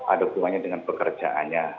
aduk duanya dengan pekerjaannya